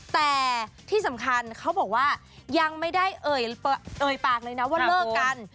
แต่ที่สำคัญเขาบอกว่ายังไม่ได้เอ่ยปากเลยนะว่าเลิกกัน